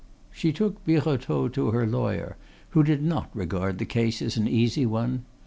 She took Birotteau to her lawyer, who did not regard the case as an easy one.